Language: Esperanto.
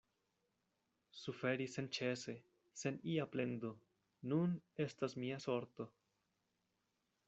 Suferi senĉese, sen ia plendo, nun estas mia sorto.